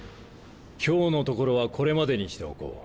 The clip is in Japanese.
今日のところはこれまでにしておこう。